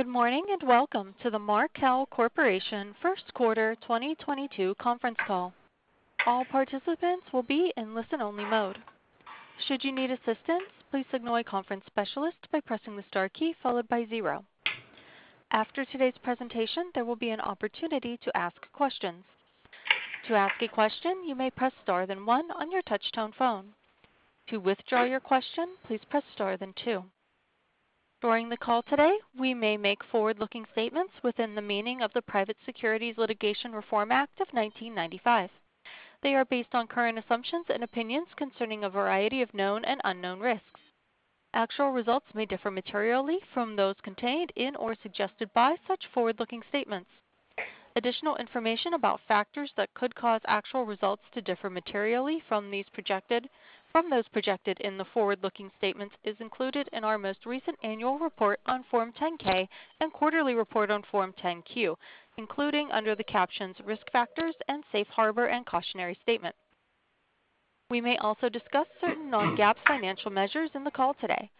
Good morning, and welcome to the Markel Corporation First Quarter 2022 Conference Call. All participants will be in listen-only mode. Should you need assistance, please signal a conference specialist by pressing the star key followed by zero. After today's presentation, there will be an opportunity to ask questions. To ask a question, you may press star then one on your touchtone phone. To withdraw your question, please press star then two. During the call today, we may make forward-looking statements within the meaning of the Private Securities Litigation Reform Act of 1995. They are based on current assumptions and opinions concerning a variety of known and unknown risks. Actual results may differ materially from those contained in or suggested by such forward-looking statements. Additional information about factors that could cause actual results to differ materially from those projected in the forward-looking statements is included in our most recent annual report on Form 10-K and quarterly report on Form 10-Q, including under the captions Risk Factors and Safe Harbor and Cautionary Statements. We may also discuss certain non-GAAP financial measures in the call today.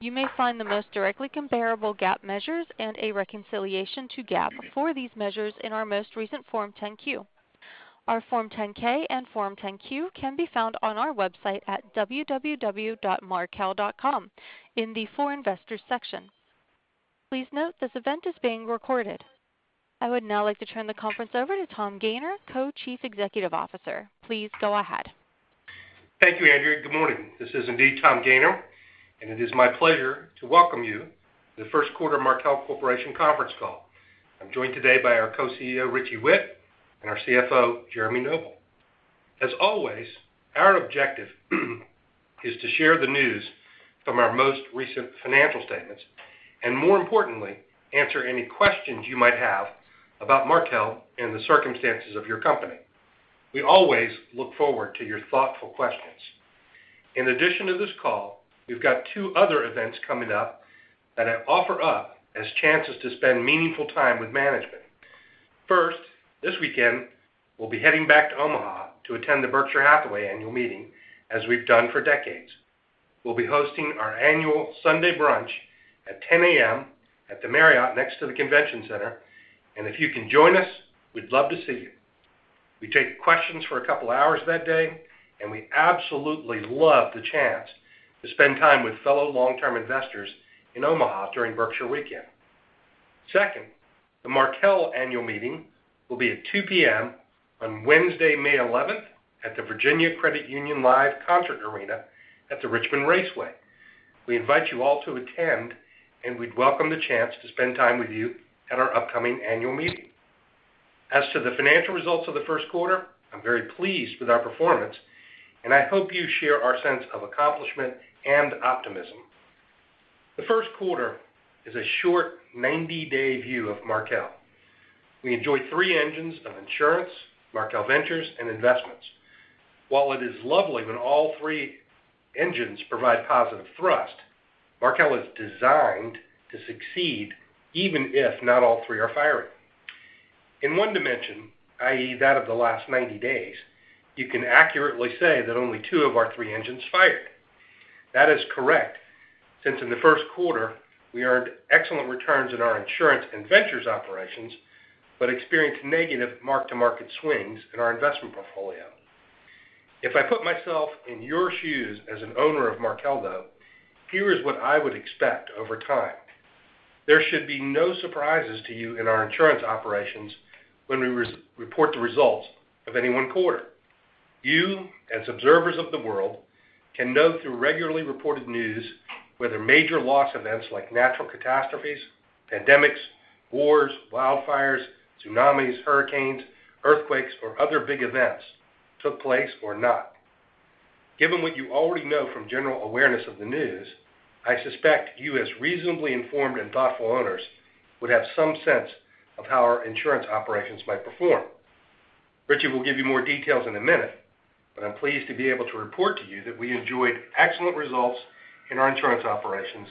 You may find the most directly comparable GAAP measures and a reconciliation to GAAP for these measures in our most recent Form 10-Q. Our Form 10-K and Form 10-Q can be found on our website at www.markel.com in the For Investors section. Please note this event is being recorded. I would now like to turn the conference over to Tom Gayner, Co-Chief Executive Officer. Please go ahead. Thank you, Andrea. Good morning. This is indeed Tom Gayner, and it is my pleasure to welcome you to the First Quarter Markel Corporation Conference Call. I'm joined today by our Co-CEO, Richie Whitt, and our CFO, Jeremy Noble. As always, our objective is to share the news from our most recent financial statements, and more importantly, answer any questions you might have about Markel and the circumstances of your company. We always look forward to your thoughtful questions. In addition to this call, we've got two other events coming up that I offer up as chances to spend meaningful time with management. First, this weekend, we'll be heading back to Omaha to attend the Berkshire Hathaway annual meeting, as we've done for decades. We'll be hosting our annual Sunday brunch at 10:00 A.M. at the Marriott next to the convention center, and if you can join us, we'd love to see you. We take questions for a couple hours that day, and we absolutely love the chance to spend time with fellow long-term investors in Omaha during Berkshire weekend. Second, the Markel annual meeting will be at 2:00 P.M. on Wednesday, May eleventh at the Virginia Credit Union Live concert arena at the Richmond Raceway. We invite you all to attend, and we'd welcome the chance to spend time with you at our upcoming annual meeting. As to the financial results of the first quarter, I'm very pleased with our performance, and I hope you share our sense of accomplishment and optimism. The first quarter is a short 90-day view of Markel. We enjoy three engines of insurance, Markel Ventures, and investments. While it is lovely when all three engines provide positive thrust, Markel is designed to succeed even if not all three are firing. In one dimension, i.e., that of the last 90 days, you can accurately say that only two of our three engines fired. That is correct, since in the first quarter, we earned excellent returns in our insurance and ventures operations, but experienced negative mark-to-market swings in our investment portfolio. If I put myself in your shoes as an owner of Markel, though, here is what I would expect over time. There should be no surprises to you in our insurance operations when we report the results of any one quarter. You, as observers of the world, can know through regularly reported news whether major loss events like natural catastrophes, pandemics, wars, wildfires, tsunamis, hurricanes, earthquakes, or other big events took place or not. Given what you already know from general awareness of the news, I suspect you, as reasonably informed and thoughtful owners, would have some sense of how our insurance operations might perform. Richie will give you more details in a minute, but I'm pleased to be able to report to you that we enjoyed excellent results in our insurance operations,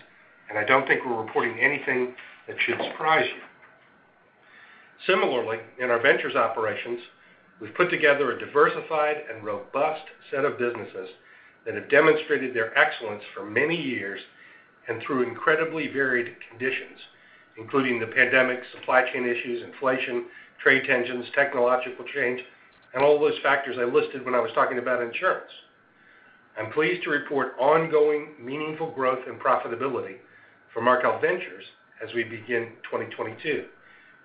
and I don't think we're reporting anything that should surprise you. Similarly, in our ventures operations, we've put together a diversified and robust set of businesses that have demonstrated their excellence for many years and through incredibly varied conditions, including the pandemic, supply chain issues, inflation, trade tensions, technological change, and all those factors I listed when I was talking about insurance. I'm pleased to report ongoing, meaningful growth and profitability for Markel Ventures as we begin 2022.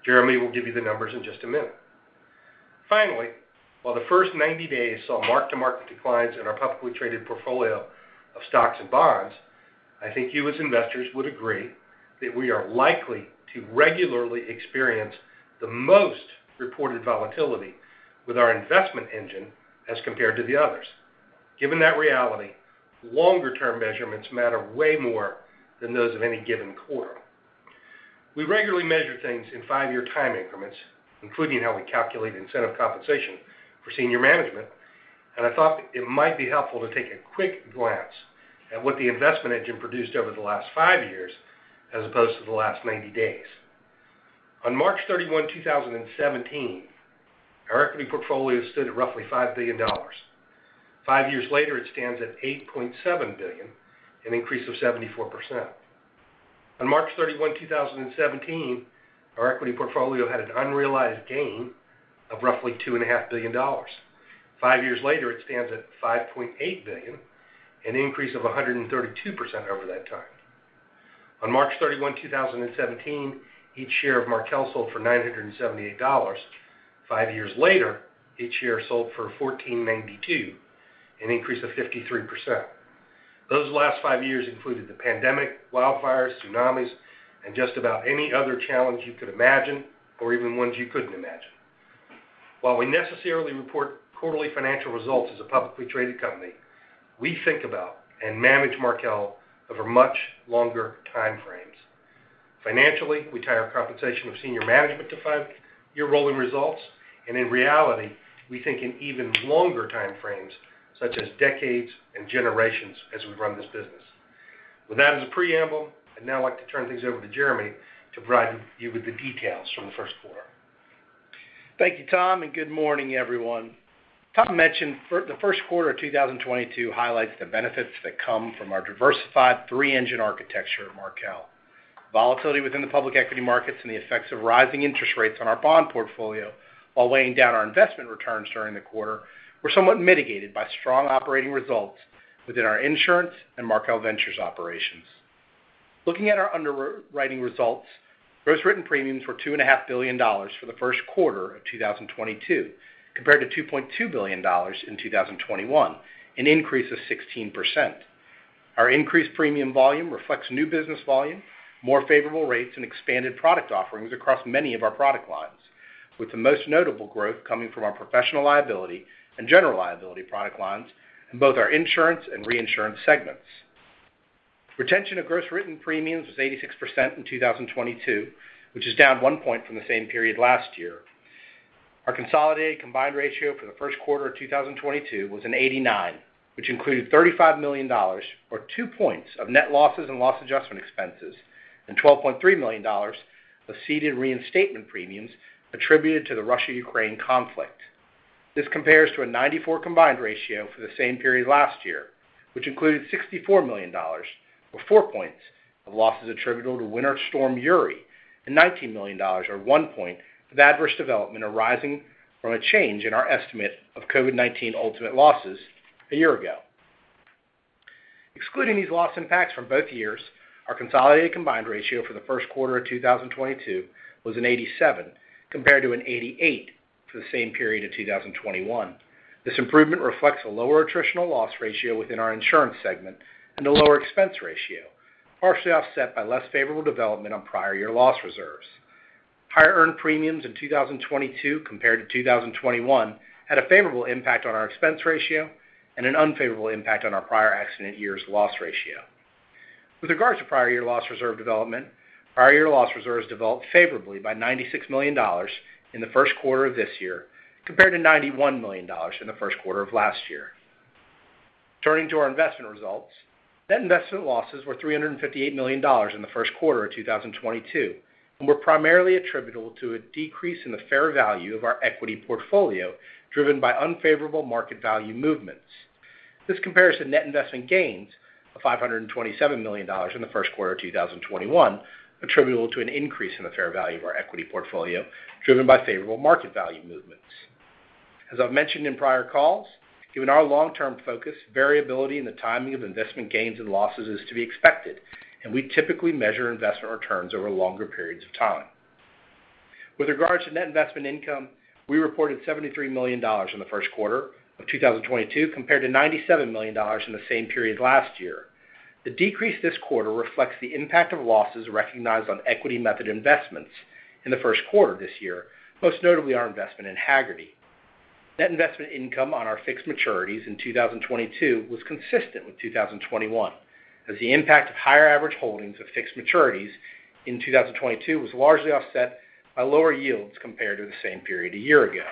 Jeremy will give you the numbers in just a minute. Finally, while the first 90 days saw mark-to-market declines in our publicly traded portfolio of stocks and bonds, I think you, as investors, would agree that we are likely to regularly experience the most reported volatility with our investment engine as compared to the others. Given that reality, longer-term measurements matter way more than those of any given quarter. We regularly measure things in five-year time increments, including how we calculate incentive compensation for senior management, and I thought it might be helpful to take a quick glance at what the investment engine produced over the last five years as opposed to the last 90 days. On March 31, 2017, our equity portfolio stood at roughly $5 billion. Five years later, it stands at $8.7 billion, an increase of 74%. On March 31, 2017, our equity portfolio had an unrealized gain of roughly $2.5 billion. Five years later, it stands at $5.8 billion, an increase of 132% over that time. On March 31, 2017, each share of Markel sold for $978. Five years later, each share sold for $1,492, an increase of 53%. Those last five years included the pandemic, wildfires, tsunamis, and just about any other challenge you could imagine, or even ones you couldn't imagine. While we necessarily report quarterly financial results as a publicly traded company, we think about and manage Markel over much longer time frames. Financially, we tie our compensation of senior management to five-year rolling results, and in reality, we think in even longer time frames, such as decades and generations, as we run this business. With that as a preamble, I'd now like to turn things over to Jeremy to provide you with the details from the first quarter. Thank you, Tom, and good morning, everyone. Tom mentioned the first quarter of 2022 highlights the benefits that come from our diversified three-engine architecture at Markel. Volatility within the public equity markets and the effects of rising interest rates on our bond portfolio while weighing down our investment returns during the quarter were somewhat mitigated by strong operating results within our insurance and Markel Ventures operations. Looking at our underwriting results, gross written premiums were $2.5 billion for the first quarter of 2022, compared to $2.2 billion in 2021, an increase of 16%. Our increased premium volume reflects new business volume, more favorable rates, and expanded product offerings across many of our product lines, with the most notable growth coming from our professional liability and general liability product lines in both our insurance and reinsurance segments. Retention of gross written premiums was 86% in 2022, which is down one point from the same period last year. Our consolidated combined ratio for the first quarter of 2022 was an 89, which included $35 million, or two points of net losses and loss adjustment expenses and $12.3 million of ceded reinstatement premiums attributed to the Russia-Ukraine conflict. This compares to a 94 combined ratio for the same period last year, which included $64 million, or four points of losses attributable to Winter Storm Uri and $19 million or one point of adverse development arising from a change in our estimate of COVID-19 ultimate losses a year ago. Excluding these loss impacts from both years, our consolidated combined ratio for the first quarter of 2022 was 87, compared to 88 for the same period of 2021. This improvement reflects a lower attritional loss ratio within our insurance segment and a lower expense ratio, partially offset by less favorable development on prior year loss reserves. Higher earned premiums in 2022 compared to 2021 had a favorable impact on our expense ratio and an unfavorable impact on our prior accident year's loss ratio. With regards to prior year loss reserve development, prior year loss reserves developed favorably by $96 million in the first quarter of this year, compared to $91 million in the first quarter of last year. Turning to our investment results, net investment losses were $358 million in the first quarter of 2022 and were primarily attributable to a decrease in the fair value of our equity portfolio, driven by unfavorable market value movements. This compares to net investment gains of $527 million in the first quarter of 2021, attributable to an increase in the fair value of our equity portfolio, driven by favorable market value movements. As I've mentioned in prior calls, given our long-term focus, variability in the timing of investment gains and losses is to be expected, and we typically measure investment returns over longer periods of time. With regards to net investment income, we reported $73 million in the first quarter of 2022 compared to $97 million in the same period last year. The decrease this quarter reflects the impact of losses recognized on equity method investments in the first quarter this year, most notably our investment in Hagerty. Net investment income on our fixed maturities in 2022 was consistent with 2021, as the impact of higher average holdings of fixed maturities in 2022 was largely offset by lower yields compared to the same period a year ago.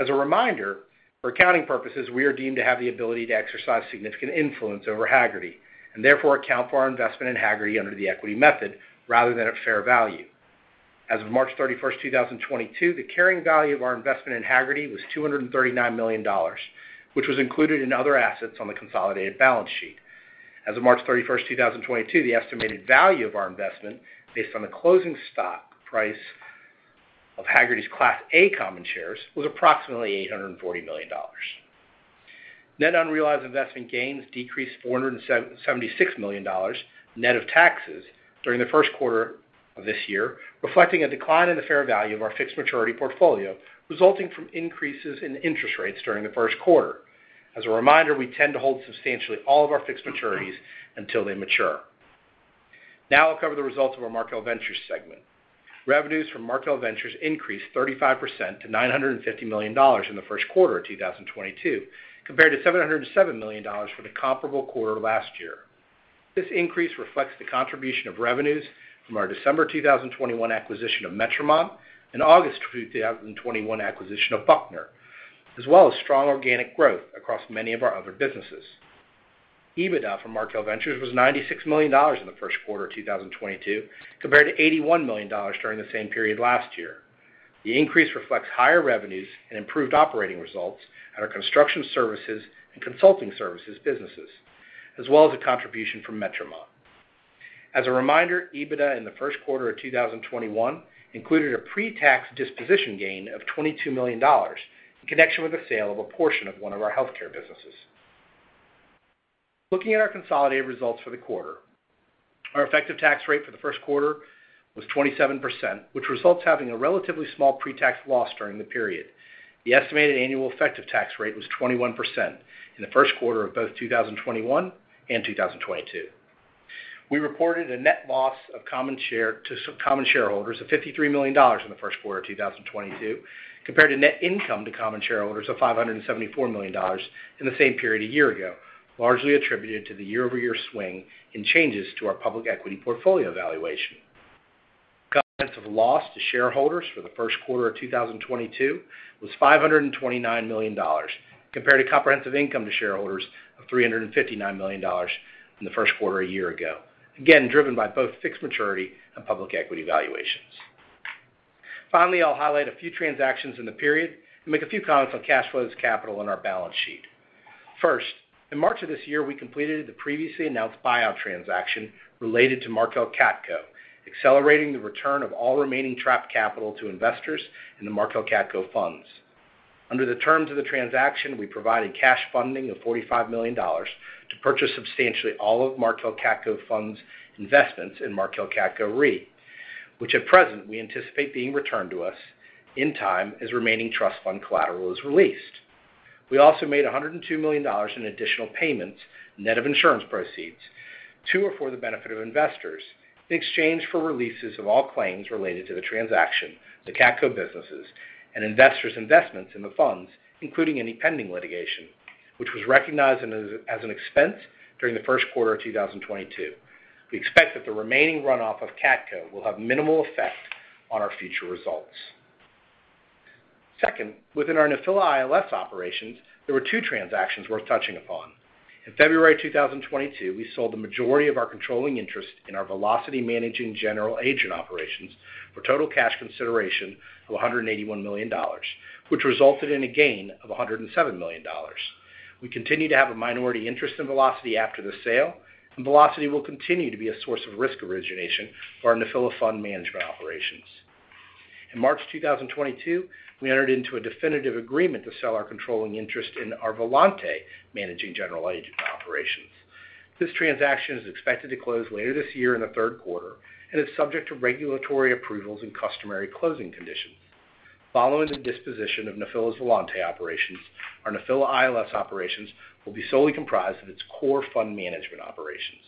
As a reminder, for accounting purposes, we are deemed to have the ability to exercise significant influence over Hagerty, and therefore account for our investment in Hagerty under the equity method rather than at fair value. As of March 31, 2022, the carrying value of our investment in Hagerty was $239 million, which was included in other assets on the consolidated balance sheet. As of March 31, 2022, the estimated value of our investment based on the closing stock price of Hagerty's Class A common shares was approximately $840 million. Net unrealized investment gains decreased $476 million net of taxes during the first quarter of this year, reflecting a decline in the fair value of our fixed maturity portfolio, resulting from increases in interest rates during the first quarter. As a reminder, we tend to hold substantially all of our fixed maturities until they mature. Now I'll cover the results of our Markel Ventures segment. Revenues from Markel Ventures increased 35% to $950 million in the first quarter of 2022 compared to $707 million for the comparable quarter last year. This increase reflects the contribution of revenues from our December 2021 acquisition of Metromont and August 2021 acquisition of Buckner, as well as strong organic growth across many of our other businesses. EBITDA from Markel Ventures was $96 million in the first quarter of 2022, compared to $81 million during the same period last year. The increase reflects higher revenues and improved operating results at our construction services and consulting services businesses, as well as a contribution from Metromont. As a reminder, EBITDA in the first quarter of 2021 included a pre-tax disposition gain of $22 million in connection with the sale of a portion of one of our healthcare businesses. Looking at our consolidated results for the quarter. Our effective tax rate for the first quarter was 27%, which results in having a relatively small pre-tax loss during the period. The estimated annual effective tax rate was 21% in the first quarter of both 2021 and 2022. We reported a net loss to common shareholders of $53 million in the first quarter of 2022, compared to net income to common shareholders of $574 million in the same period a year ago, largely attributed to the year-over-year swing in changes to our public equity portfolio valuation. Comprehensive loss to shareholders for the first quarter of 2022 was $529 million, compared to comprehensive income to shareholders of $359 million in the first quarter a year ago, again, driven by both fixed maturity and public equity valuations. Finally, I'll highlight a few transactions in the period and make a few comments on cash flows, capital, and our balance sheet. First, in March of this year, we completed the previously announced buyout transaction related to Markel CATCo, accelerating the return of all remaining trapped capital to investors in the Markel CATCo funds. Under the terms of the transaction, we provided cash funding of $45 million to purchase substantially all of Markel CATCo funds investments in Markel CATCo Re, which at present, we anticipate being returned to us in time as remaining trust fund collateral is released. We also made $102 million in additional payments, net of insurance proceeds, to or for the benefit of investors in exchange for releases of all claims related to the transaction, the CATCo businesses, and investors' investments in the funds, including any pending litigation, which was recognized as an expense during the first quarter of 2022. We expect that the remaining runoff of CATCo will have minimal effect on our future results. Second, within our Nephila ILS operations, there were two transactions worth touching upon. In February 2022, we sold the majority of our controlling interest in our Velocity Managing General Agent operations for total cash consideration of $181 million, which resulted in a gain of $107 million. We continue to have a minority interest in Velocity after the sale, and Velocity will continue to be a source of risk origination for our Nephila fund management operations. In March 2022, we entered into a definitive agreement to sell our controlling interest in our Volante Managing General Agent operations. This transaction is expected to close later this year in the third quarter, and is subject to regulatory approvals and customary closing conditions. Following the disposition of Nephila's Volante operations, our Nephila ILS operations will be solely comprised of its core fund management operations.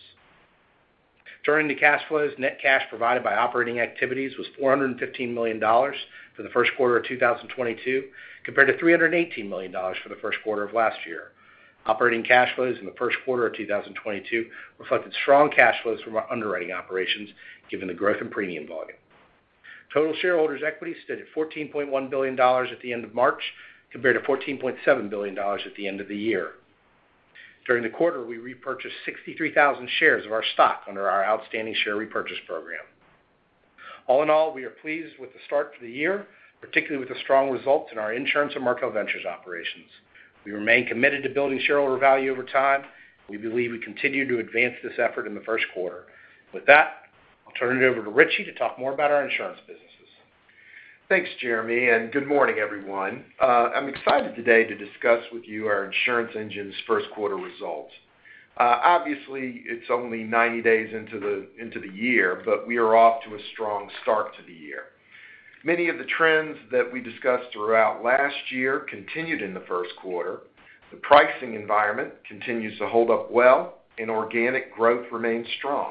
Turning to cash flows, net cash provided by operating activities was $415 million for the first quarter of 2022, compared to $318 million for the first quarter of last year. Operating cash flows in the first quarter of 2022 reflected strong cash flows from our underwriting operations, given the growth in premium volume. Total shareholders' equity stood at $14.1 billion at the end of March, compared to $14.7 billion at the end of the year. During the quarter, we repurchased 63,000 shares of our stock under our outstanding share repurchase program. All in all, we are pleased with the start to the year, particularly with the strong results in our insurance and Markel Ventures operations. We remain committed to building shareholder value over time. We believe we continue to advance this effort in the first quarter. With that, I'll turn it over to Richie to talk more about our insurance businesses. Thanks, Jeremy, and good morning, everyone. I'm excited today to discuss with you our insurance engine's first quarter results. Obviously, it's only 90 days into the year, but we are off to a strong start to the year. Many of the trends that we discussed throughout last year continued in the first quarter. The pricing environment continues to hold up well, and organic growth remains strong.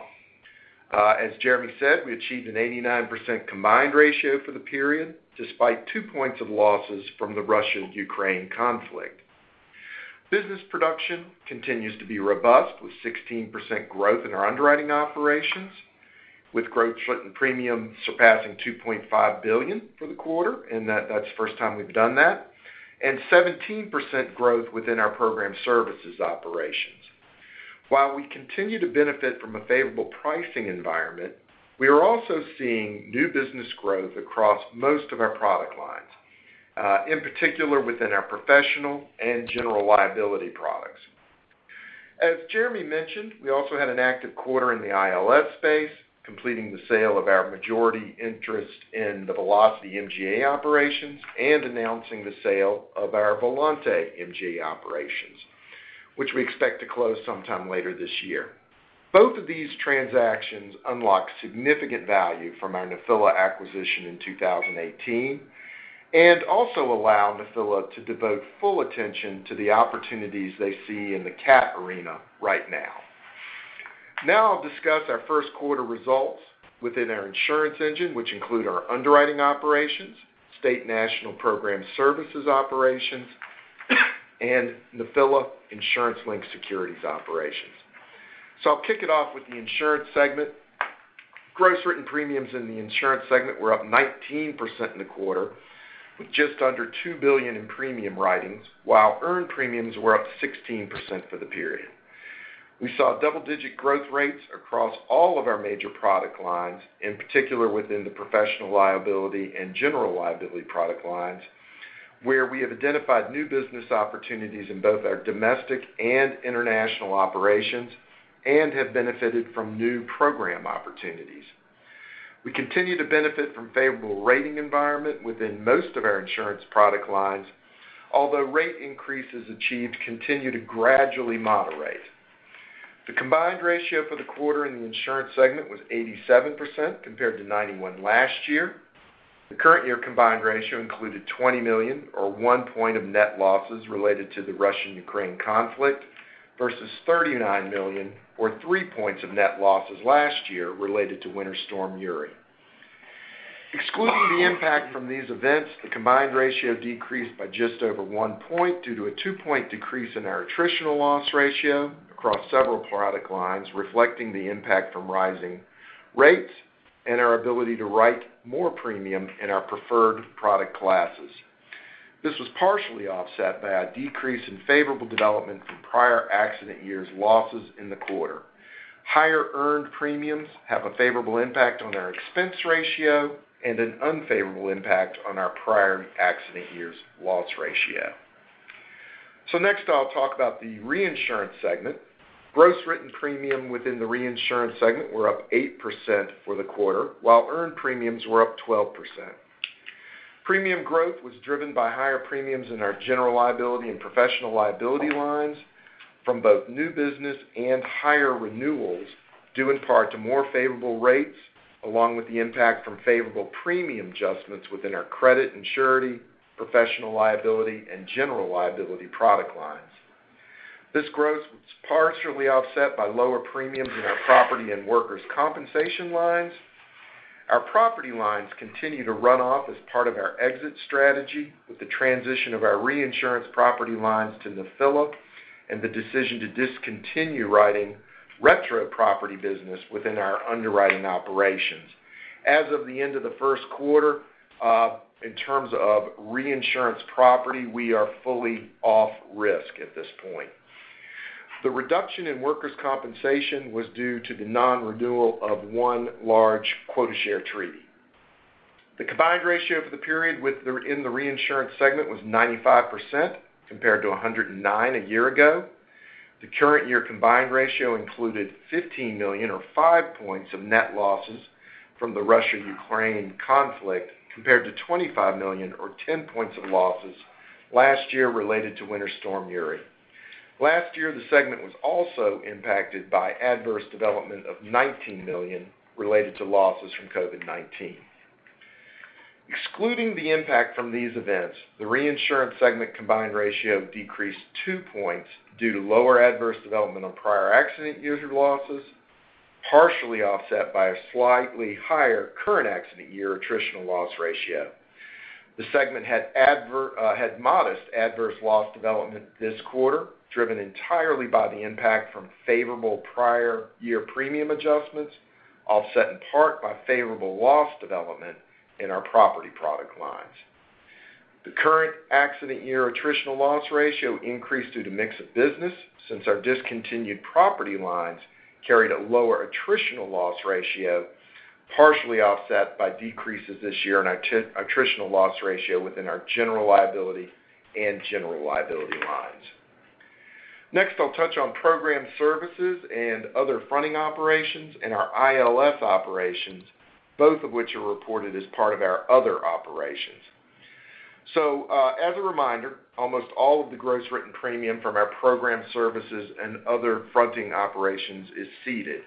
As Jeremy said, we achieved an 89% combined ratio for the period, despite two points of losses from the Russia-Ukraine conflict. Business production continues to be robust, with 16% growth in our underwriting operations, with growth in premium surpassing $2.5 billion for the quarter, and that's the first time we've done that, and 17% growth within our program services operations. While we continue to benefit from a favorable pricing environment, we are also seeing new business growth across most of our product lines, in particular within our professional and general liability products. As Jeremy mentioned, we also had an active quarter in the ILS space, completing the sale of our majority interest in the Velocity MGA operations and announcing the sale of our Volante MGA operations, which we expect to close sometime later this year. Both of these transactions unlock significant value from our Nephila acquisition in 2018, and also allow Nephila to devote full attention to the opportunities they see in the cat arena right now. Now I'll discuss our first quarter results within our insurance engine, which include our underwriting operations, state and national program services operations and Nephila Insurance-Linked Securities operations. I'll kick it off with the insurance segment. Gross written premiums in the insurance segment were up 19% in the quarter, with just under $2 billion in premium writings, while earned premiums were up 16% for the period. We saw double-digit growth rates across all of our major product lines, in particular within the professional liability and general liability product lines, where we have identified new business opportunities in both our domestic and international operations and have benefited from new program opportunities. We continue to benefit from favorable rating environment within most of our insurance product lines, although rate increases achieved continue to gradually moderate. The combined ratio for the quarter in the insurance segment was 87% compared to 91% last year. The current year combined ratio included $20 million or 1 point of net losses related to the Russia-Ukraine conflict versus $39 million or 3 points of net losses last year related to Winter Storm Uri. Excluding the impact from these events, the combined ratio decreased by just over 1 point due to a 2-point decrease in our attritional loss ratio across several product lines, reflecting the impact from rising rates and our ability to write more premium in our preferred product classes. This was partially offset by a decrease in favorable development from prior accident years losses in the quarter. Higher earned premiums have a favorable impact on our expense ratio and an unfavorable impact on our prior accident years loss ratio. Next, I'll talk about the reinsurance segment. Gross written premium within the reinsurance segment were up 8% for the quarter, while earned premiums were up 12%. Premium growth was driven by higher premiums in our general liability and professional liability lines from both new business and higher renewals, due in part to more favorable rates along with the impact from favorable premium adjustments within our credit and surety, professional liability, and general liability product lines. This growth was partially offset by lower premiums in our property and workers' compensation lines. Our property lines continue to run off as part of our exit strategy with the transition of our reinsurance property lines to Nephila and the decision to discontinue writing retro property business within our underwriting operations. As of the end of the first quarter, in terms of reinsurance property, we are fully off risk at this point. The reduction in workers' compensation was due to the non-renewal of one large quota share treaty. The combined ratio for the period in the reinsurance segment was 95%, compared to 109% a year ago. The current year combined ratio included $15 million or five points of net losses from the Russia-Ukraine conflict, compared to $25 million or 10 points of losses last year related to Winter Storm Uri. Last year, the segment was also impacted by adverse development of $19 million related to losses from COVID-19. Excluding the impact from these events, the reinsurance segment combined ratio decreased two points due to lower adverse development on prior accident year losses, partially offset by a slightly higher current accident year attritional loss ratio. The segment had modest adverse loss development this quarter, driven entirely by the impact from favorable prior year premium adjustments, offset in part by favorable loss development in our property product lines. The current accident year attritional loss ratio increased due to mix of business since our discontinued property lines carried a lower attritional loss ratio, partially offset by decreases this year in attritional loss ratio within our general liability and general liability lines. Next, I'll touch on program services and other fronting operations and our ILS operations, both of which are reported as part of our other operations. As a reminder, almost all of the gross written premium from our program services and other fronting operations is ceded.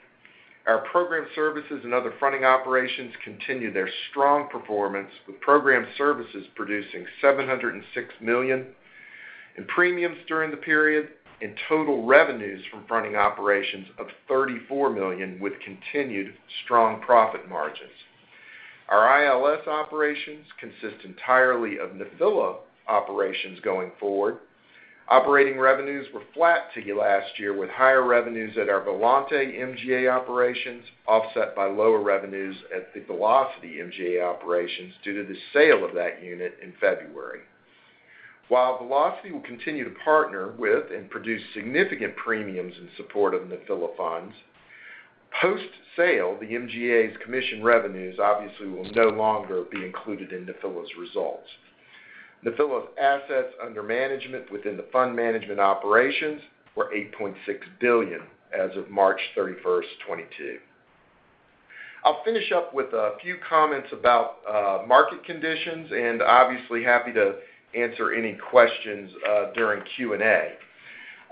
Our program services and other fronting operations continue their strong performance, with program services producing $706 million in premiums during the period and total revenues from fronting operations of $34 million with continued strong profit margins. Our ILS operations consist entirely of Nephila operations going forward. Operating revenues were flat to last year, with higher revenues at our Volante MGA operations, offset by lower revenues at the Velocity MGA operations due to the sale of that unit in February. While Velocity will continue to partner with and produce significant premiums in support of Nephila funds, post-sale, the MGA's commission revenues obviously will no longer be included in Nephila's results. Nephila's assets under management within the fund management operations were $8.6 billion as of March 31, 2022. I'll finish up with a few comments about market conditions and obviously happy to answer any questions during Q&A.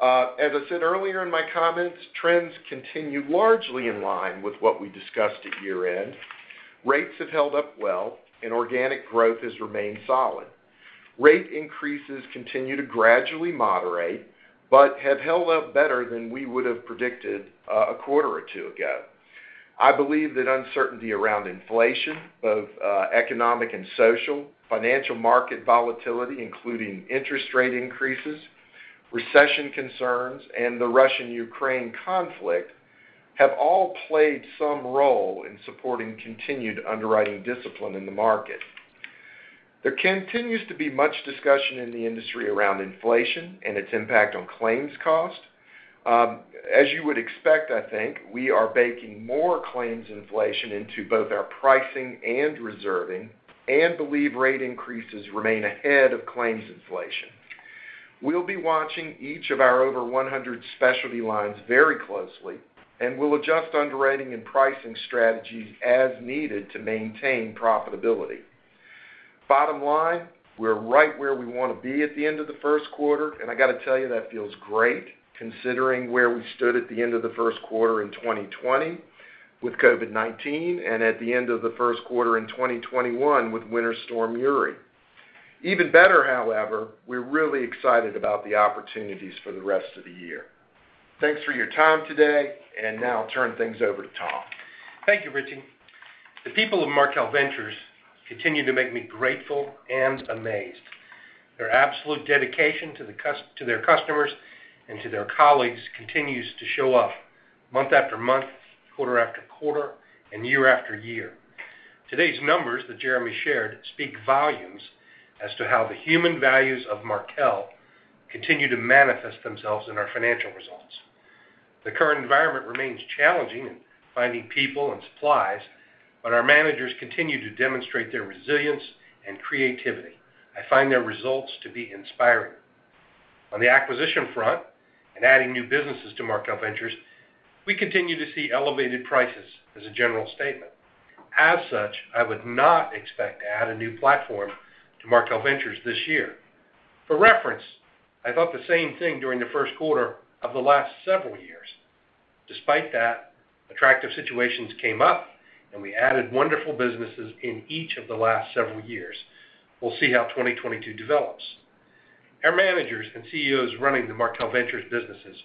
As I said earlier in my comments, trends continued largely in line with what we discussed at year-end. Rates have held up well, and organic growth has remained solid. Rate increases continue to gradually moderate, but have held up better than we would have predicted a quarter or two ago. I believe that uncertainty around inflation, both economic and social, financial market volatility, including interest rate increases, recession concerns and the Russia-Ukraine conflict have all played some role in supporting continued underwriting discipline in the market. There continues to be much discussion in the industry around inflation and its impact on claims cost. As you would expect, I think, we are baking more claims inflation into both our pricing and reserving and believe rate increases remain ahead of claims inflation. We'll be watching each of our over 100 specialty lines very closely, and we'll adjust underwriting and pricing strategies as needed to maintain profitability. Bottom line, we're right where we wanna be at the end of the first quarter, and I gotta tell you that feels great considering where we stood at the end of the first quarter in 2020 with COVID-19 and at the end of the first quarter in 2021 with Winter Storm Uri. Even better, however, we're really excited about the opportunities for the rest of the year. Thanks for your time today, and now I'll turn things over to Tom. Thank you, Richie. The people of Markel Ventures continue to make me grateful and amazed. Their absolute dedication to their customers and to their colleagues continues to show up month after month, quarter after quarter, and year after year. Today's numbers that Jeremy shared speak volumes as to how the human values of Markel continue to manifest themselves in our financial results. The current environment remains challenging in finding people and supplies, but our managers continue to demonstrate their resilience and creativity. I find their results to be inspiring. On the acquisition front and adding new businesses to Markel Ventures, we continue to see elevated prices as a general statement. As such, I would not expect to add a new platform to Markel Ventures this year. For reference, I thought the same thing during the first quarter of the last several years. Despite that, attractive situations came up, and we added wonderful businesses in each of the last several years. We'll see how 2022 develops. Our managers and CEOs running the Markel Ventures businesses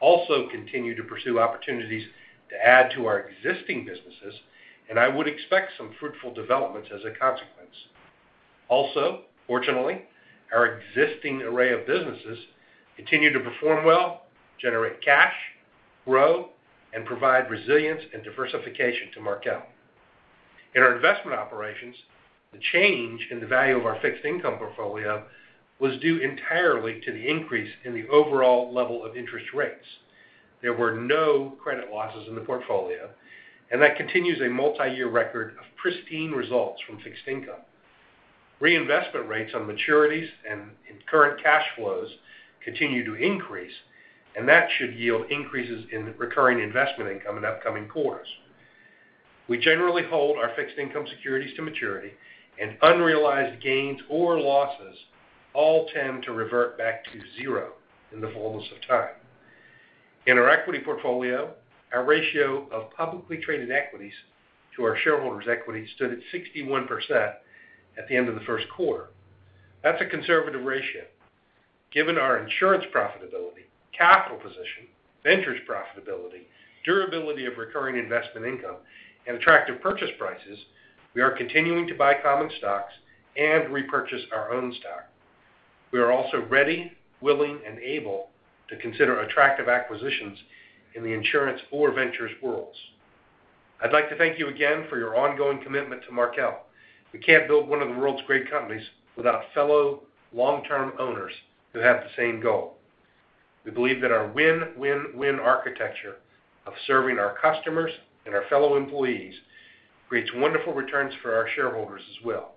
also continue to pursue opportunities to add to our existing businesses, and I would expect some fruitful developments as a consequence. Also, fortunately, our existing array of businesses continue to perform well, generate cash, grow, and provide resilience and diversification to Markel. In our investment operations, the change in the value of our fixed income portfolio was due entirely to the increase in the overall level of interest rates. There were no credit losses in the portfolio, and that continues a multiyear record of pristine results from fixed income. Reinvestment rates on maturities and in current cash flows continue to increase, and that should yield increases in recurring investment income in upcoming quarters. We generally hold our fixed income securities to maturity, and unrealized gains or losses all tend to revert back to zero in the fullness of time. In our equity portfolio, our ratio of publicly traded equities to our shareholders' equity stood at 61% at the end of the first quarter. That's a conservative ratio. Given our insurance profitability, capital position, ventures profitability, durability of recurring investment income, and attractive purchase prices, we are continuing to buy common stocks and repurchase our own stock. We are also ready, willing, and able to consider attractive acquisitions in the insurance or ventures worlds. I'd like to thank you again for your ongoing commitment to Markel. We can't build one of the world's great companies without fellow long-term owners who have the same goal. We believe that our win-win-win architecture of serving our customers and our fellow employees creates wonderful returns for our shareholders as well.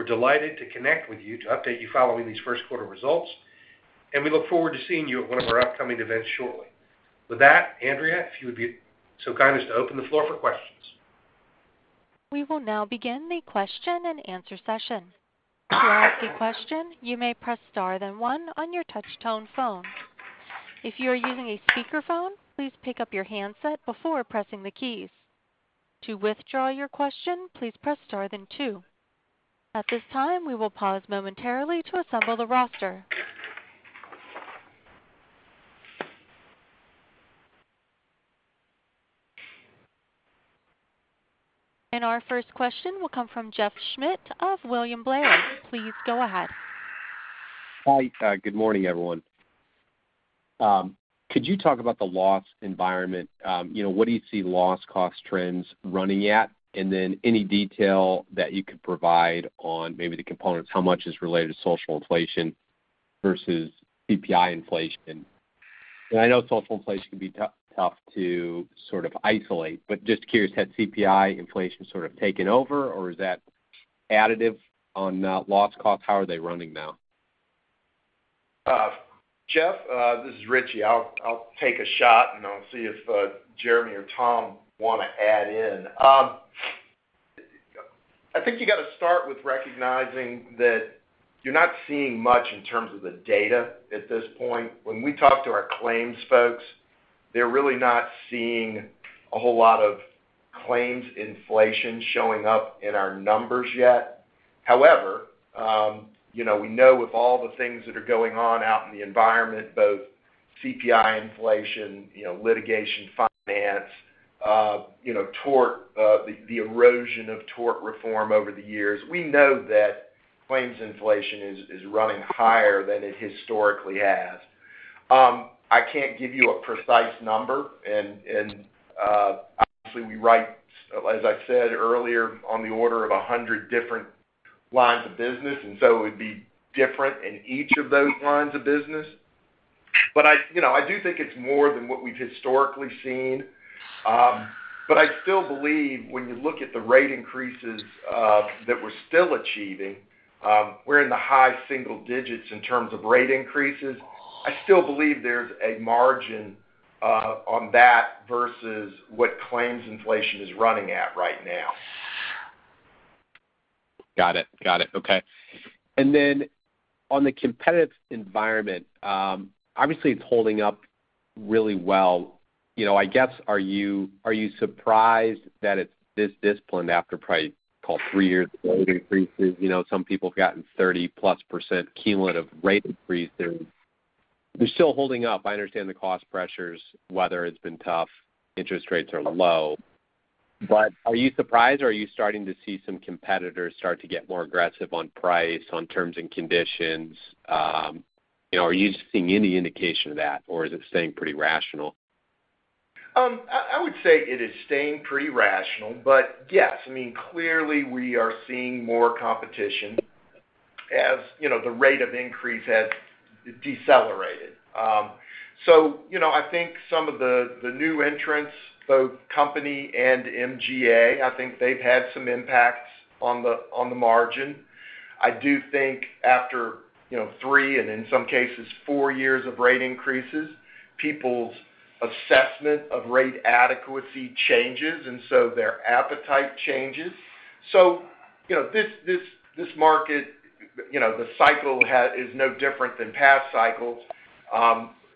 We're delighted to connect with you to update you following these first quarter results, and we look forward to seeing you at one of our upcoming events shortly. With that, Andrea, if you would be so kind as to open the floor for questions. We will now begin the question-and-answer session. To ask a question, you may press star, then one on your touchtone phone. If you are using a speakerphone, please pick up your handset before pressing the keys. To withdraw your question, please press star then two. At this time, we will pause momentarily to assemble the roster. Our first question will come from Jeff Schmitt of William Blair. Please go ahead. Hi. Good morning, everyone. Could you talk about the loss environment? You know, what do you see loss cost trends running at? Any detail that you could provide on maybe the components, how much is related to social inflation versus CPI inflation? I know social inflation can be tough to sort of isolate, but just curious, had CPI inflation sort of taken over, or is that additive on loss cost? How are they running now? Jeff, this is Richie. I'll take a shot, and I'll see if Jeremy or Tom wanna add in. I think you gotta start with recognizing that you're not seeing much in terms of the data at this point. When we talk to our claims folks, they're really not seeing a whole lot of claims inflation showing up in our numbers yet. However, you know, we know with all the things that are going on out in the environment, both CPI inflation, you know, litigation finance, you know, tort, the erosion of tort reform over the years. We know that claims inflation is running higher than it historically has. I can't give you a precise number and obviously we write, as I said earlier, on the order of 100 different lines of business, and so it would be different in each of those lines of business. I you know, I do think it's more than what we've historically seen. I still believe when you look at the rate increases that we're still achieving, we're in the high single digits in terms of rate increases. I still believe there's a margin on that versus what claims inflation is running at right now. Got it. Okay. On the competitive environment, obviously it's holding up really well. You know, I guess, are you surprised that it's this disciplined after probably, call it three years of rate increases? You know, some people have gotten 30%+ cumulative rate increases. You're still holding up. I understand the cost pressures, weather has been tough, interest rates are low. Are you surprised, or are you starting to see some competitors start to get more aggressive on price, on terms and conditions? You know, are you seeing any indication of that, or is it staying pretty rational? I would say it is staying pretty rational. Yes, I mean, clearly we are seeing more competition as, you know, the rate of increase has decelerated. You know, I think some of the new entrants, both company and MGA, I think they've had some impacts on the margin. I do think after, you know, three and in some cases four years of rate increases, people's assessment of rate adequacy changes, and so their appetite changes. You know, this market, you know, the cycle is no different than past cycles.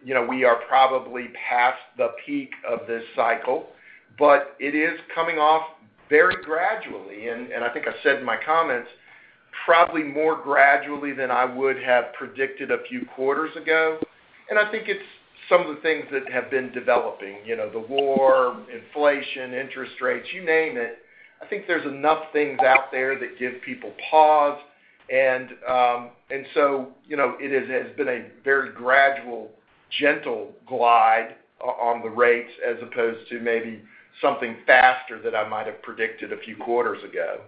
You know, we are probably past the peak of this cycle, but it is coming off very gradually, and I think I said in my comments, probably more gradually than I would have predicted a few quarters ago. I think it's some of the things that have been developing. You know, the war, inflation, interest rates, you name it. I think there's enough things out there that give people pause. You know, it has been a very gradual, gentle glide on the rates as opposed to maybe something faster that I might have predicted a few quarters ago.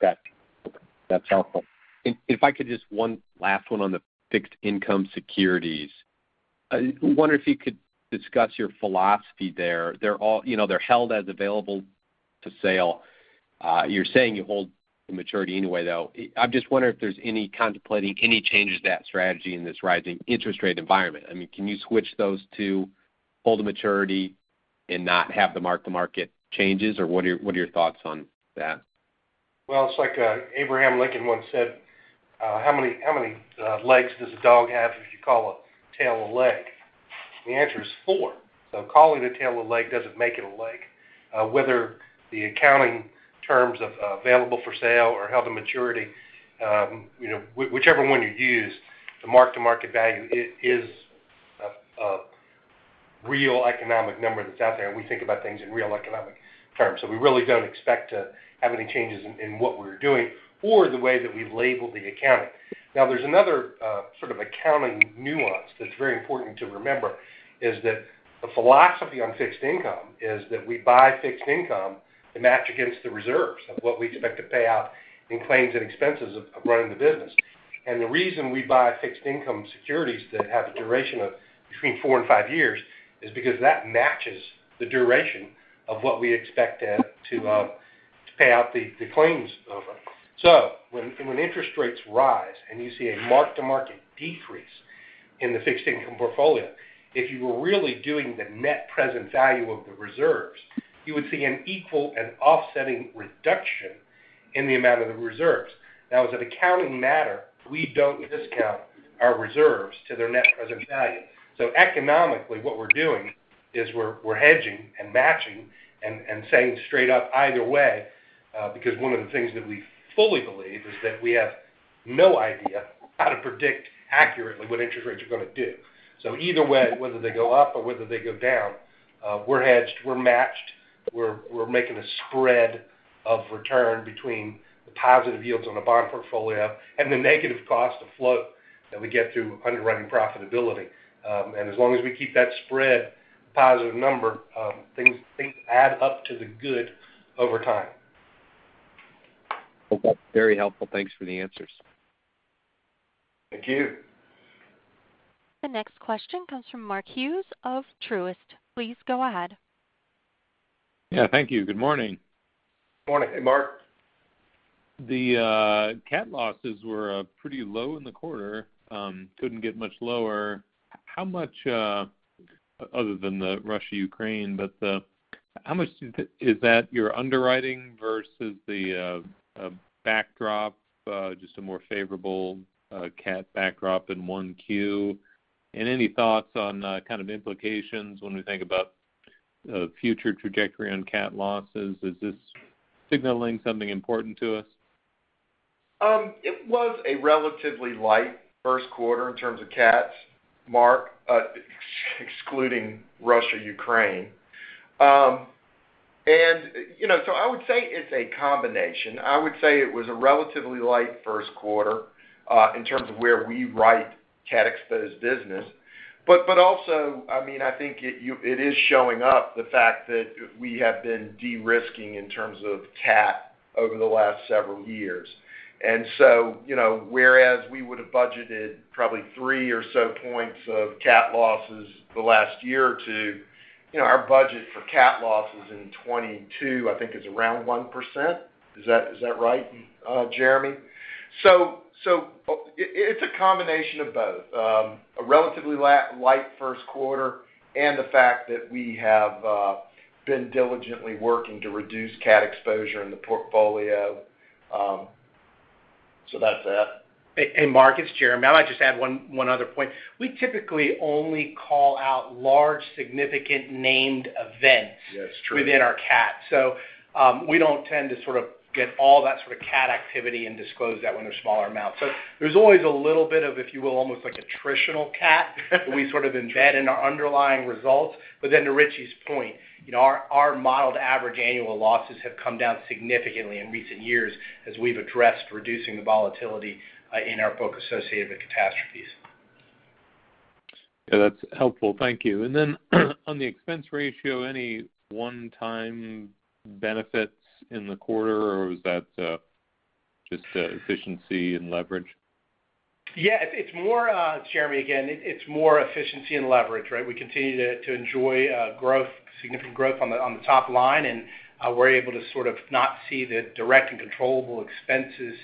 Got it. That's helpful. If I could just one last one on the fixed income securities. I wonder if you could discuss your philosophy there. They're all. You know, they're held as available for sale. You're saying you hold to maturity anyway, though. I'm just wondering if there's any contemplation of any changes to that strategy in this rising interest rate environment. I mean, can you switch those to hold to maturity and not have the mark-to-market changes, or what are your thoughts on that? Well, it's like Abraham Lincoln once said, how many legs does a dog have if you call a tail a leg? The answer is four. Calling a tail a leg doesn't make it a leg. Whether the accounting terms of available for sale or held to maturity, you know, whichever one you use, the mark-to-market value is a real economic number that's out there. We think about things in real economic terms. We really don't expect to have any changes in what we're doing or the way that we label the accounting. Now, there's another sort of accounting nuance that's very important to remember, is that the philosophy on fixed income is that we buy fixed income to match against the reserves of what we expect to pay out in claims and expenses of running the business. The reason we buy fixed income securities that have a duration of between four and five years is because that matches the duration of what we expect to pay out the claims over. When interest rates rise and you see a mark-to-market decrease in the fixed income portfolio, if you were really doing the net present value of the reserves, you would see an equal and offsetting reduction in the amount of the reserves. Now, as an accounting matter, we don't discount our reserves to their net present value. Economically, what we're doing is we're hedging and matching and saying straight up either way, because one of the things that we fully believe is that we have no idea how to predict accurately what interest rates are gonna do. Either way, whether they go up or whether they go down, we're hedged, we're matched. We're making a spread of return between the positive yields on the bond portfolio and the negative cost of float that we get through underwriting profitability. And as long as we keep that spread a positive number, things add up to the good over time. Okay. Very helpful. Thanks for the answers. Thank you. The next question comes from Mark Hughes of Truist. Please go ahead. Yeah, thank you. Good morning. Morning, Mark. The cat losses were pretty low in the quarter. Couldn't get much lower. How much other than the Russia-Ukraine? How much is that your underwriting versus the backdrop? Just a more favorable cat backdrop in 1Q? Any thoughts on kind of implications when we think about a future trajectory on cat losses? Is this signaling something important to us? It was a relatively light first quarter in terms of cats, Mark, excluding Russia, Ukraine. You know, I would say it's a combination. I would say it was a relatively light first quarter in terms of where we write cat-exposed business. Also, I mean, I think it is showing the fact that we have been de-risking in terms of cat over the last several years. You know, whereas we would've budgeted probably three or so points of cat losses the last year or two, you know, our budget for cat losses in 2022, I think is around 1%. Is that right, Jeremy? It's a combination of both. A relatively light first quarter and the fact that we have been diligently working to reduce cat exposure in the portfolio. That's that. Hey, hey Mark, it's Jeremy. I might just add one other point. We typically only call out large, significant named events. That's true. Within our cat, we don't tend to sort of get all that sort of cat activity and disclose that when they're smaller amounts. There's always a little bit of, if you will, almost like attritional cat that we sort of embed in our underlying results. To Richie's point, you know, our modeled average annual losses have come down significantly in recent years as we've addressed reducing the volatility in our book associated with catastrophes. Yeah, that's helpful. Thank you. On the expense ratio, any one-time benefits in the quarter, or was that just efficiency and leverage? Yeah. It's more, Jeremy, again, it's more efficiency and leverage, right? We continue to enjoy growth, significant growth on the top line, and we're able to sort of not see the direct and controllable expenses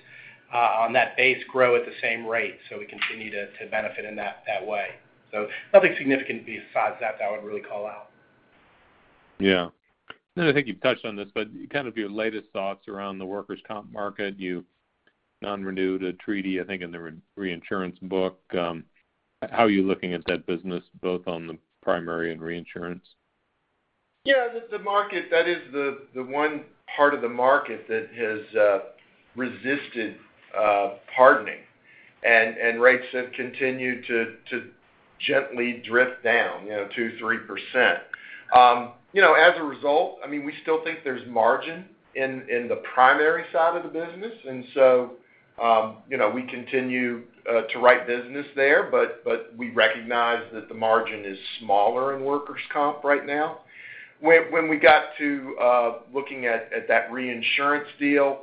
on that base grow at the same rate, so we continue to benefit in that way. Nothing significant besides that I would really call out. Yeah. I think you've touched on this, but kind of your latest thoughts around the workers' comp market. You non-renewed a treaty, I think, in the re-reinsurance book. How are you looking at that business both on the primary and reinsurance? Yeah. The market, that is the one part of the market that has resisted hardening. Rates have continued to gently drift down, you know, 2%-3%. You know, as a result, I mean, we still think there's margin in the primary side of the business. You know, we continue to write business there, but we recognize that the margin is smaller in workers' comp right now. When we got to looking at that reinsurance deal,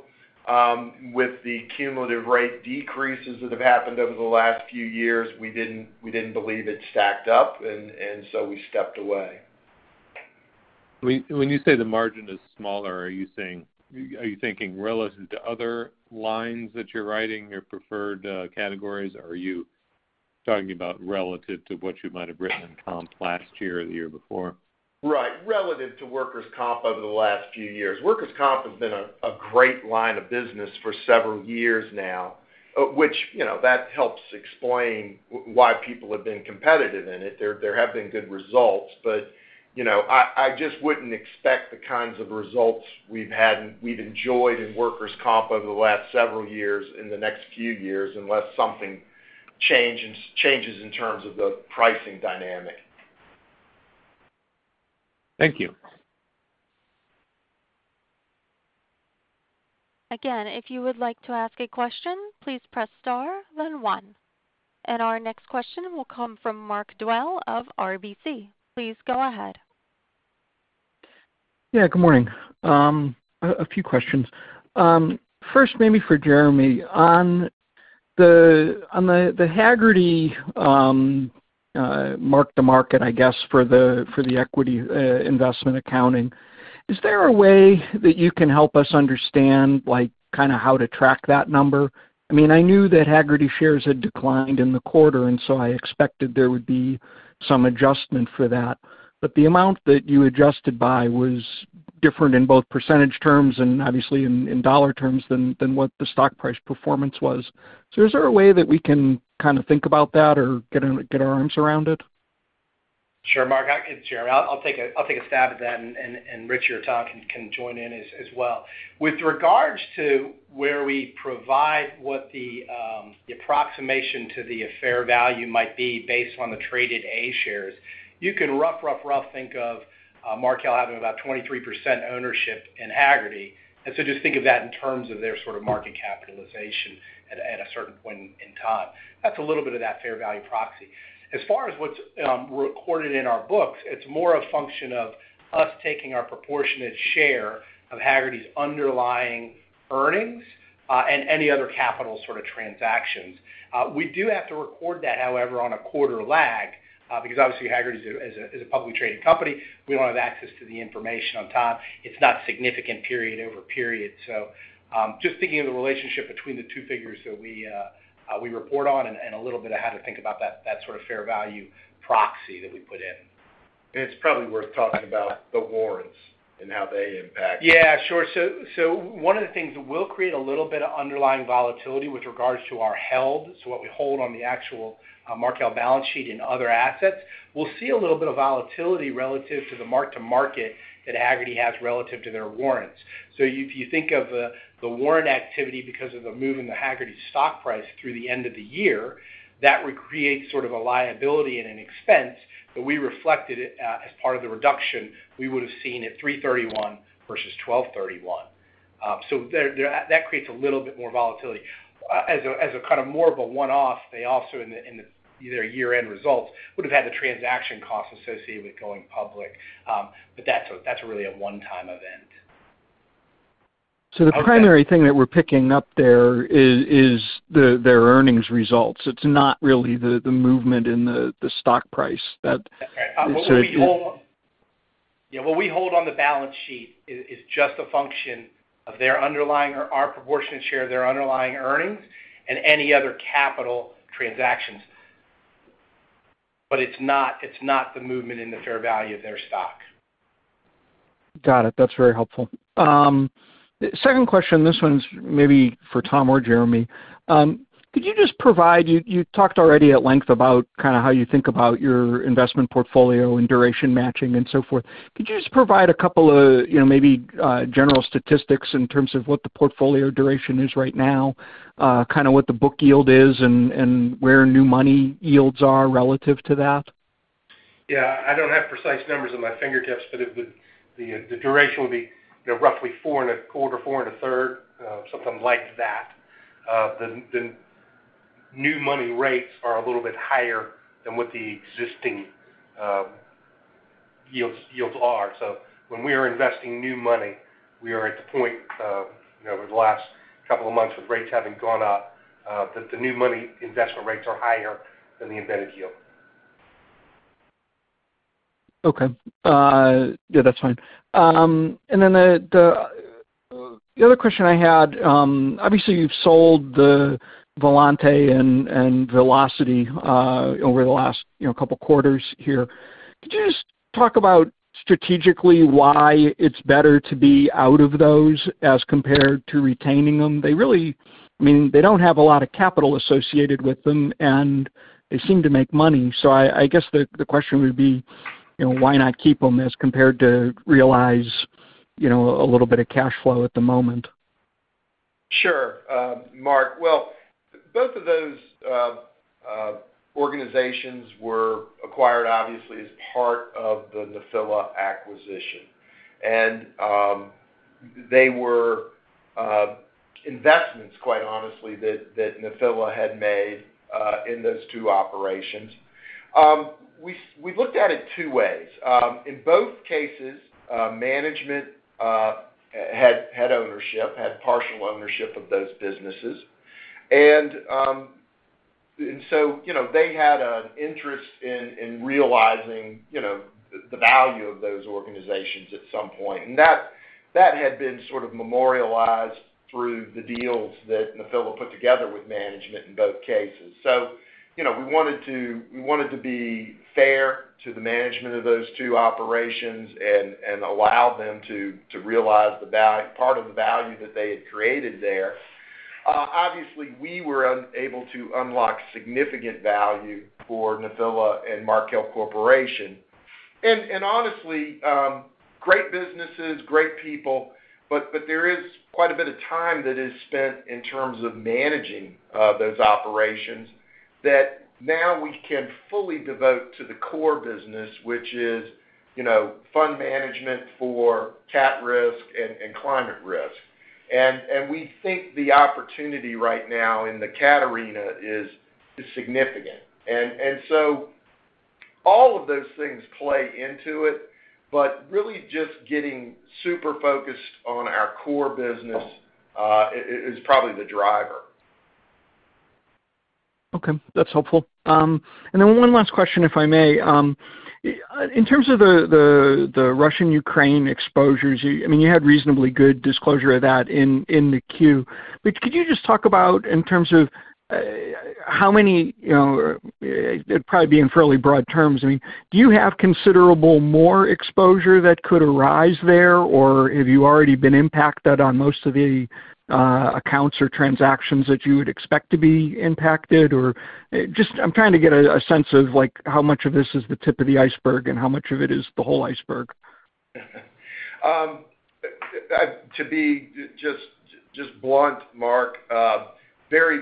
with the cumulative rate decreases that have happened over the last few years, we didn't believe it stacked up and so we stepped away. When you say the margin is smaller, are you thinking relative to other lines that you're writing, your preferred categories? Or are you talking about relative to what you might have written in comp last year or the year before? Right. Relative to workers' comp over the last few years. Workers' comp has been a great line of business for several years now, which, you know, that helps explain why people have been competitive in it. There have been good results, but, you know, I just wouldn't expect the kinds of results we've had and we've enjoyed in workers' comp over the last several years, in the next few years, unless something changes in terms of the pricing dynamic. Thank you. Again, if you would like to ask a question, please press star then one. Our next question will come from Mark Dwelle of RBC. Please go ahead. Yeah. Good morning. A few questions. First maybe for Jeremy. On the Hagerty mark-to-market, I guess, for the equity investment accounting, is there a way that you can help us understand, like, kind of how to track that number? I mean, I knew that Hagerty shares had declined in the quarter, and so I expected there would be some adjustment for that, but the amount that you adjusted by was different in both percentage terms and obviously in dollar terms than what the stock price performance was. Is there a way that we can kind of think about that or get our arms around it? Sure, Mark. It's Jeremy. I'll take a stab at that, and Richie or Tom, can join in as well. With regards to where we provide the approximation to the fair value might be based on the traded Class A shares, you can roughly think of Markel having about 23% ownership in Hagerty. So just think of that in terms of their sort of market capitalization at a certain point in time. That's a little bit of that fair value proxy. As far as what's recorded in our books, it's more a function of us taking our proportionate share of Hagerty's underlying earnings, and any other capital sort of transactions. We do have to record that, however, on a quarter lag, because obviously Hagerty is a publicly traded company. We don't have access to the information on time. It's not significant period over period. Just thinking of the relationship between the two figures that we report on and a little bit of how to think about that sort of fair value proxy that we put in. It's probably worth talking about the warrants and how they impact. Yeah, sure. One of the things that will create a little bit of underlying volatility with regards to what we hold on the actual Markel balance sheet and other assets, we'll see a little bit of volatility relative to the mark-to-market that Hagerty has relative to their warrants. If you think of the warrant activity because of the move in the Hagerty stock price through the end of the year, that would create sort of a liability and an expense that we reflected it as part of the reduction we would have seen at 3/31 versus 12/31. That creates a little bit more volatility. As a kind of more of a one-off, they also in their year-end results would have had the transaction costs associated with going public. That's really a one-time event. The primary thing that we're picking up there is their earnings results. It's not really the movement in the stock price that- Okay. What we hold So it- Yeah, what we hold on the balance sheet is just a function of their underlying or our proportionate share of their underlying earnings and any other capital transactions. It's not the movement in the fair value of their stock. Got it. That's very helpful. Second question, this one's maybe for Tom or Jeremy. Could you just provide. You talked already at length about kinda how you think about your investment portfolio and duration matching and so forth. Could you just provide a couple of, you know, maybe, general statistics in terms of what the portfolio duration is right now, kinda what the book yield is and where new money yields are relative to that? Yeah. I don't have precise numbers on my fingertips, but the duration would be, you know, roughly four and a quarter, four and a third, something like that. The new money rates are a little bit higher than what the existing yields are. So when we are investing new money, we are at the point of, you know, over the last couple of months with rates having gone up, that the new money investment rates are higher than the embedded yield. Okay. Yeah, that's fine. The other question I had, obviously you've sold the Volante and Velocity over the last, you know, couple quarters here. Could you just talk about strategically why it's better to be out of those as compared to retaining them? They really. I mean, they don't have a lot of capital associated with them, and they seem to make money. I guess the question would be, you know, why not keep them as compared to realize, you know, a little bit of cash flow at the moment? Sure. Mark. Well, both of those organizations were acquired obviously as part of the Nephila acquisition. They were investments, quite honestly, that Nephila had made in those two operations. We looked at it two ways. In both cases, management had partial ownership of those businesses. You know, they had an interest in realizing, you know, the value of those organizations at some point. That had been sort of memorialized through the deals that Nephila put together with management in both cases. You know, we wanted to be fair to the management of those two operations and allow them to realize part of the value that they had created there. Obviously, we were unable to unlock significant value for Nephila and Markel Corporation. Honestly, great businesses, great people, but there is quite a bit of time that is spent in terms of managing those operations that now we can fully devote to the core business, which is, you know, fund management for cat risk and climate risk. All of those things play into it, but really just getting super focused on our core business is probably the driver. Okay. That's helpful. Then one last question, if I may. In terms of the Russia-Ukraine exposures, you—I mean, you had reasonably good disclosure of that in the Q. Could you just talk about in terms of how many, you know, it'd probably be in fairly broad terms. I mean, do you have considerable more exposure that could arise there, or have you already been impacted on most of the accounts or transactions that you would expect to be impacted? Just I'm trying to get a sense of like how much of this is the tip of the iceberg and how much of it is the whole iceberg. To be just blunt, Mark,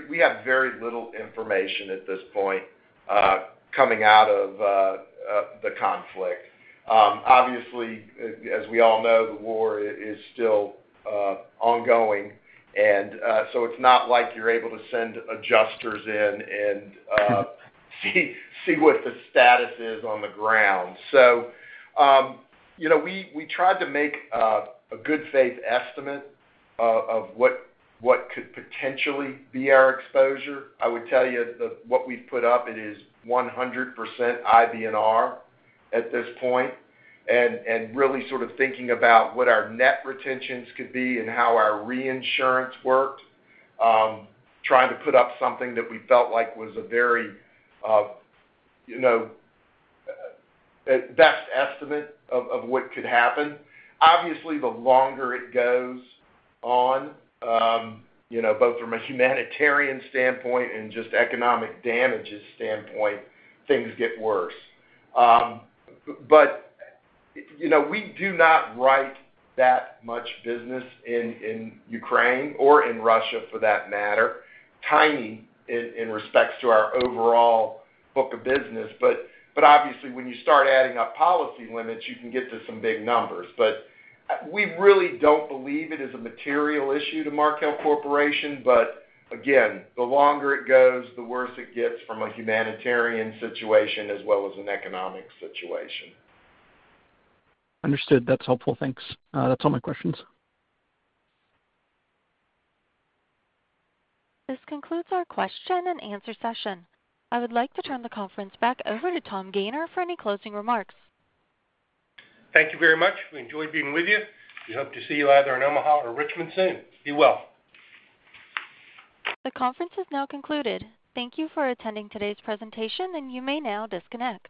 we have very little information at this point coming out of the conflict. Obviously, as we all know, the war is still ongoing, and it's not like you're able to send adjusters in and see what the status is on the ground. You know, we tried to make a good faith estimate of what could potentially be our exposure. I would tell you what we've put up it is 100% IBNR at this point, and really sort of thinking about what our net retentions could be and how our reinsurance worked, trying to put up something that we felt like was a very, you know, best estimate of what could happen. Obviously, the longer it goes on, you know, both from a humanitarian standpoint and just economic damages standpoint, things get worse. You know, we do not write that much business in Ukraine or in Russia for that matter. Tiny in respects to our overall book of business. Obviously, when you start adding up policy limits, you can get to some big numbers. We really don't believe it is a material issue to Markel Corporation. Again, the longer it goes, the worse it gets from a humanitarian situation as well as an economic situation. Understood. That's helpful. Thanks. That's all my questions. This concludes our question and answer session. I would like to turn the conference back over to Tom Gayner for any closing remarks. Thank you very much. We enjoyed being with you. We hope to see you either in Omaha or Richmond soon. Be well. The conference is now concluded. Thank you for attending today's presentation, and you may now disconnect.